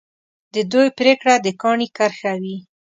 د دوی پرېکړه د کاڼي کرښه وي.